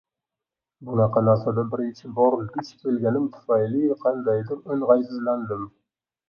Bunaqa narsaga birinchi bor duch kelganim tufayli qandaydir oʻngʻaysizlandim.